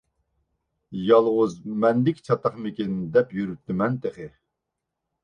يالغۇز مەندىكى چاتاقمىكىن دەپ يۈرۈپتىمەن تېخى.